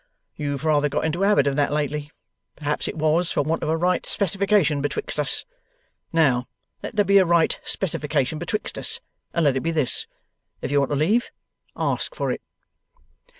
You've rather got into a habit of that, lately; but perhaps it was for want of a right specification betwixt us. Now, let there be a right specification betwixt us, and let it be this. If you want leave, ask for it.